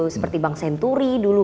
seperti bank senturi dulu